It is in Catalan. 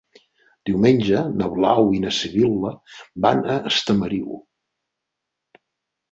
Diumenge na Blau i na Sibil·la van a Estamariu.